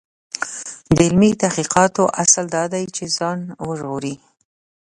د علمي تحقیقاتو اصل دا دی چې ځان وژغوري.